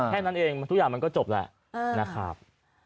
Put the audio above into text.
แค่นั้นเองทุกอย่างมันก็จบแหละนะครับ